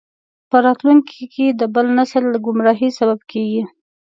په راتلونکي کې د بل نسل د ګمراهۍ سبب کیږي.